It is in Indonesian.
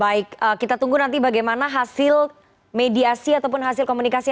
baik kita tunggu nanti bagaimana hasil mediasi ataupun hasil komunikasi